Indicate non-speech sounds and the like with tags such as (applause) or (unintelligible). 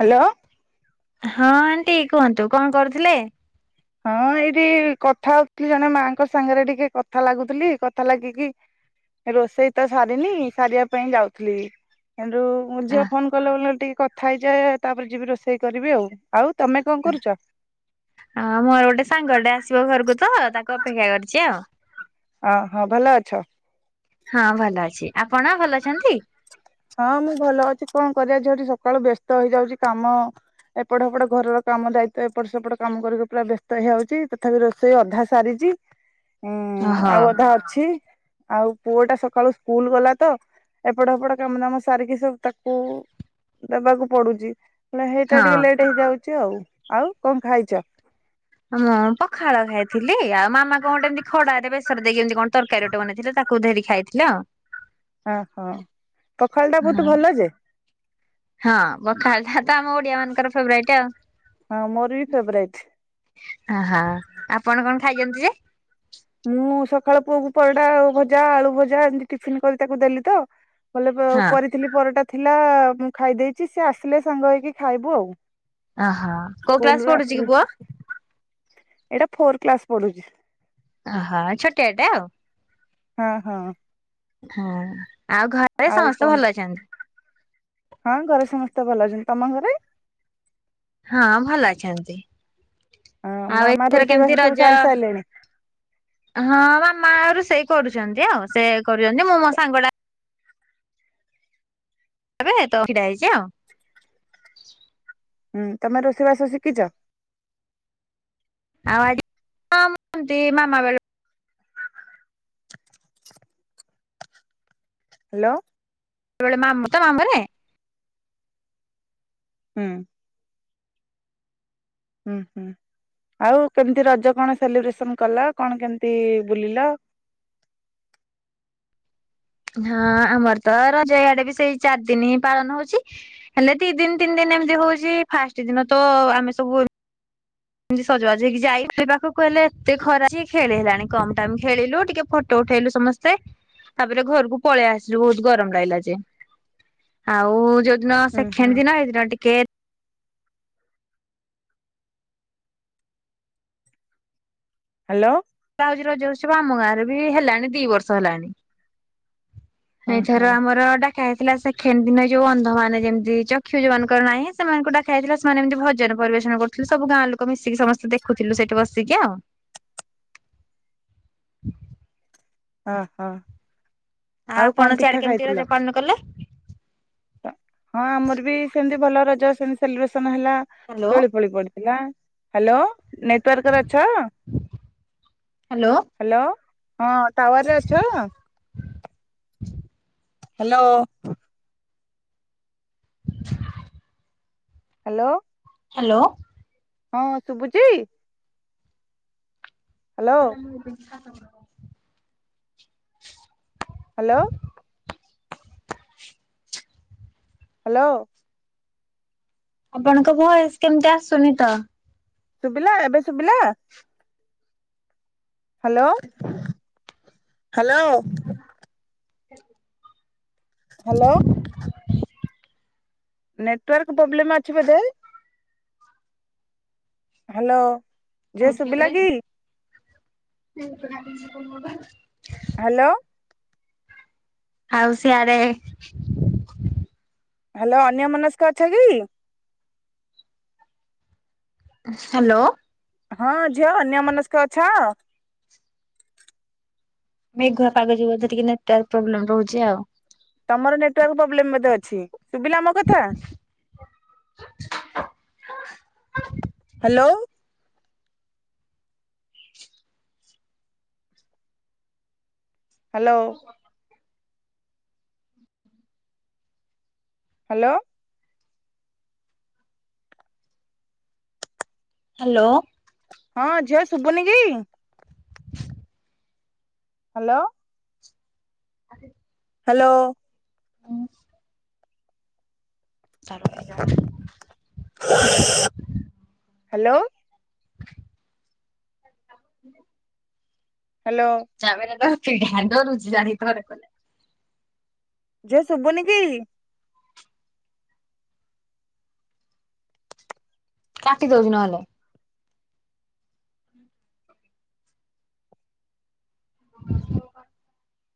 Hello ହଁ aunty କୁହନ୍ତୁ କଣ କରୁଥିଲେ? ହଁ ଏଇଠି କଥା ହଉଥିଲି ଜଣେ ମାଙ୍କ ସାଙ୍ଗରେ ଟିକେ କଥା ଲାଗୁଥିଲି କଥା ଲାଗିକି ରୋଷେଇ ତ ସାରିନି ସାରିବା ପାଇଁ ଯାଉଥିଲି କିନ୍ତୁ ମୋ ଝିଅ ଫୋନ କଲେ ବଲେ ଟିକେ କଥା ହେଇଯାଏ ତାପରେ ଯିବି ରୋଷେଇ କରିବି ଆଉ ଆଉ ତମେ କଣ କରୁଛ? ହଁ ମୋର ଗୋଟେ ସାଙ୍ଗ ଟେ ଆସିବ ଘରକୁ ତ ତାକୁ ଅପେକ୍ଷା କରିଛି ଆଉ ଅ ହଁ ଭଲ ଅଛ ହଁ ଭଲ ଅଛି ଆପଣ ଭଲ ଅଛନ୍ତି? ହଁ ମୁଁ ଭଲ ଅଛି କଣ କରିବା ଝିଅ ଟି ସକାଳୁ ବ୍ୟସ୍ତ ହେଇଯାଉଛି କାମ ଏପଟ ସେପଟ ଘରର କାମ ଦାୟିତ୍ୱ ଏପଟ ସେପଟ କାମ କରିକି ପୁରା ବ୍ୟସ୍ତ ହେଇଯାଉଛି ତଥାପି ରୋଷେଇ ଅଧା ସାରିଚି ହୁଁ ଓହୋ ଆଉ ଅଧା ଅଛି ଆଉ ପୁଅଟା ସକାଳୁ ସ୍କୁଲ ଗଲା ତ ଏପଟ ହେପଟ କାମଦାମ ସାରିକି ସବୁ ତାକୁ ଦେବାକୁ ପଡୁଚି ହେଲେ ହେଇଟା ହଁ ଟିକେ ଲେଟ୍ ହେଇଯାଉ ଚି ଆଉ ଆଉ କଣ ଖାଇଚ? ହଁ ମୁଁ ପଖାଳ ଖାଇଥିଲି ଆଉ ମାମା କଣ ଗୋଟେ ଏମତି ଖଡାରେ ବେସର ଦେଇକି ଏମିତି କଣ ତରକାରୀ ଗୋଟେ ବନେଇଥିଲେ ତାକୁ ଦେରି ଖାଇଥିଲି ଆଉ ଓହୋ ପଖାଳ ଟା ହଁ ବହୁତ ଭଲ ଯେ ହଁ ପଖାଳଟା ତ ଆମ ଓଡିଆ ମାନଙ୍କର ଫେବରାଇଟ ଆଉ ହଁ ମୋର ବି ଫେବରାଇଟ ଅହ ଆପଣ କଣ ଖାଇଛନ୍ତି ଯେ? ମୁଁ ସକାଳ ପୁଅକୁ ପରଟା ଆଉ ଭଜା ଆଳୁ ଭଜା ଏମିତି ଟିଫିନ୍ କରି ତାକୁ ଦେଲି ତ (unintelligible) ଭ ହଁ କରିଥିଲି ପରଟା ଥିଲା ମୁଁ ଖାଇଦେଇଚି ସେ ଆସିଲେ ସାଙ୍ଗ ହେଇକି ଖାଇବୁ ଆଉ ଆହ କୋଉ ସ୍କୁଲ ରୁ କ୍ଲାସ ପଢୁଚି ଆସିଲେ କି ପୁଅ? ଏଇଟା ଫୋର କ୍ଲାସ ପଢୁଚି ଆହ ଛୋଟିଆଟେ ଆଉ ହଁ ହଁ। ହଁ ଆଉ ଘର ଆଉ କଣ ହଁ ଘରେ ସମସ୍ତେ ଭଲ ଅଛନ୍ତି ତମ ଘରେ? ହଁ ଭଲ ଅଛନ୍ତି। ହଁ ଆଉ ମାମା ଏଥର କେମିତି ରୋଷେଇବାସ ସବୁ ରଜ ସାରି ସାରିଲେଣି ହଁ ମାମା ରୁସେଇ କରୁଚନ୍ତି ଆଉ ସେ କରୁଛନ୍ତି ମୁଁ ମୋ ସାଙ୍ଗ ଟା ଏବେ ତ ଛିଡା ହେଇଛି ଆଉ। ହୁଁ ତମେ ରୋଷେଇବାସ ଶିଖିଚ? ଆଉଜିତି ମାାମ ବେଳ ହ୍ୟାଲୋ। ସେବେଳେ ମାମୁ ତ ମାମୁ ରେ - ହୁଁ। ହୁଁ ହୁଁ ଆଉ କେମିତି ରଜ କଣ ସେଲିବ୍ରେସନ କଲ କଣ କେମିତି ବୁଲିଲ? ହଁ ଆମର ତ ରଜ ଆଡେ ବି ସେଇ ଚାରି ଦିନ ହିଁ ପାଳନ ହଉଛି। ହେଲେ ଦି ଦିନ ତିନି ଦିନ ଏମିତି ହଉଛି ଫାଷ୍ଟ ଦିନ ତ ଆମେ ସବୁ ଏମିତି ସଜବାଜ ହେଇି ଯାଇ ସେ ପାଖକୁ କହେ ଏତେ ଖରାପ ଖେଳି ହେଲାଣି କମ ଟାଇମ ଖେଳିଲୁ ଟିକେ ପଟ ଉଠେଇଲୁ ସମସ୍ତେ ତାପରେ ଘରକୁ ପଳେଇ ଆସିଲୁ ବହୁତ ଗରମ ଲାଗିଲା ଯେ ଆଉ ଯୋଉଦିନ ହୁଁ ସେ ହୁଁ ଖଣିଦିନ ଏଇଦିନ ଟିକେ ହ୍ୟାଲୋ। ଉ ରଜ ହଛି ବା ଆମ ଗାଁରେ ବି ହେଲାଣି ଦି ବର୍ଷ ହେଲାଣି। ହୁଁ ହୁଁ ଏଇଥର ଆମର ଡା ଖାଇଥିଲା ସେ ଖେ ଦିନ ଯୋଉ ଅନ୍ଧ ମାନ ଯେମିତି ଚକ୍ଷୁ ଯୋଉାନଙ୍କର ନାହିଁ ସେମାନଙ୍କଟା ଯାଇଥିଲା। ମେ ଏମିତି ଭଜନ ପରିବେଷ କରୁଥିଲେ ସବୁ ଗାଁ ଲୋକ ମିଶିକି ସମସ୍ତେ ଦେଖୁଥିଲୁ ସେଠି ବସିକି ଆଉ। (inaudible) ଓହୋ ଆଉ କଣ ପିଠା ଖାଇଥିଲ? ମନା କଲେ। ହଁ ଆମର ବି ସେମତି ଭଲ ରଜ ସେମିତି ସେଲିବ୍ରେସନ ହେଲା ହ୍ୟାଲୋ ଦୋଳି ପୋଳି ପଡିଥିଲା। ହ୍ୟାଲୋ ନେଟୱାର୍କ ର ଅଛ? ହ୍ୟାଲୋ ହଁ ଟାୱାର ରେ ଅଛ? ହ୍ୟାଲୋ। (inaudible) ହ୍ୟାଲୋ। ହ୍ୟାଲୋ। ହଁ ଶୁଭୁଛି? ହ୍ୟାଲୋ ତା ମୁଁ ଖ- ହ୍ୟାଲୋ। ହ୍ୟାଲୋ। ଆପଣଙ୍କ ଭଏସ କେମିତି ଆସୁନି ତ? ଶୁଭିଲା ଏବେ ଶୁଭିଲା? Hello hello. ହ। ହ୍ୟାଲୋ। ନେଟୱାର୍କ ପ୍ରୋବ୍ଲେମ୍ ଅଛି ବୋଧେ? ହ୍ୟାଲୋ ଝିଅ ଶୁଭିଲା କି? ସେଇ- ହ୍ୟାଲୋ। ଆଉ ସିଆଡେ ହ୍ୟାଲୋ ଅନ୍ୟ ମନସ୍କ ଅଛ କି ହ୍ୟାଲୋ। ହଁ ଝିଅ ଅନ୍ୟ ମନସ୍କ ଅଛ। ମେଘୁଆ ର ପାାଗ ଯିବ ବୋଧ ଟିକେ ନେଟାର୍ ପ୍ରୋବ୍ଲେମ ରହୁଛି ଆଉ। ତମର ନେଟୱାର୍କ ପ୍ରୋବ୍ଲେମ ବୋଧେ ଅଛି। ଶୁବିଲା ମୋ କଥା। (unintelligible) ହ୍ୟାଲୋ। ହ୍ୟାଲୋ। (unintelligible) ହ୍ୟାଲୋ। ହ୍ୟାଲୋ। ହଁ ଝିଅ ଶୁଭୁନି କି? (unintelligible) ହ୍ୟାଲୋ। (unintelligible) ହ୍ୟାଲୋ। ହୁଁ। ଚାଲୁ ହେଇଗଲୁଣି। ହ୍ୟାଲୋ। (inaudible) ହ୍ୟାଲୋ। ଜାମ ତଣ୍ଡ ରରୁଛି ଜାଣିିଥରେ କଲେ। ଝିଅ ଶୁଭୁନି କି? କାଟିଦଉଛି ନହେଲେ। (unintelligible)